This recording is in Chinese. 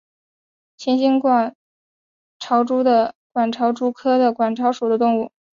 琴形管巢蛛为管巢蛛科管巢蛛属的动物。